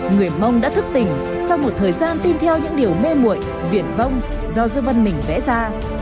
người mông đã thức tỉnh trong một thời gian tin theo những điều mê muội viện vong do dương văn mình vẽ ra